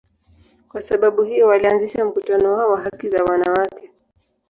Kwa sababu hiyo, walianzisha mkutano wao wa haki za wanawake.